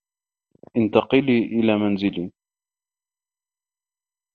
انتقلي إلى منزلي.